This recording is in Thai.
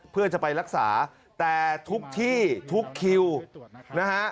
เพื่อจะไปรักษาแต่ทุกที่ทุกคิวนะฮะ